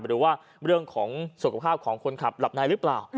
หรือว่าเรื่องของสุขภาพของคนขับหลับในหรือเปล่า